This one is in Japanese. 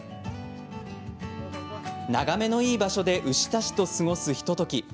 眺めのいい場所で牛たちと過ごすひととき。